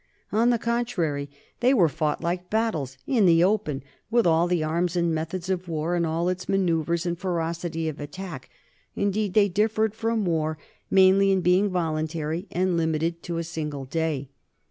On the contrary, they were fought like battles, in the open, with all the arms and methods of war and all its manoeuvres and ferocity of attack; indeed they differed from war mainly in being voluntary and limited to a single day.